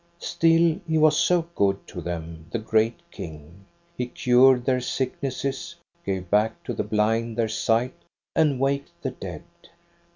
"Still, he was so good to them, the great King! He cured their sicknesses, gave back to the blind their sight, and waked the dead.